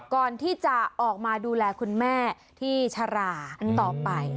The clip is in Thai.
ก่อนที่จะออกมาดูแลคุณแม่ที่ชราต่อไป